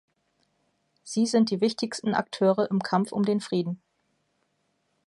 Sie sind die wichtigsten Akteure im Kampf um den Frieden.